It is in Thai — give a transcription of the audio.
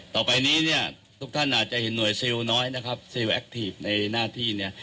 ต่อไปนี้เนี่ยทุกท่านอาจจะเห็นหน่วยน้อยนะครับในหน้าที่เนี่ย